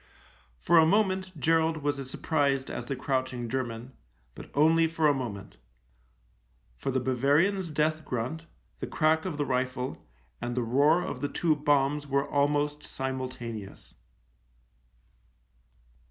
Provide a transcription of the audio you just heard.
For a moment Gerald was as surprised as the crouching German, but only for a moment, for the Bavarian's death grunt, the crack of the rifle, and the roar of the two bombs were almost simultaneous.